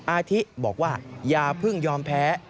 อาทิบอกว่าอย่าเพิ่งยอมแพ้